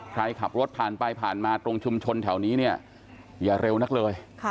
ใครขับรถผ่านไปผ่านมาตรงชุมชนแถวนี้เนี่ยอย่าเร็วนักเลย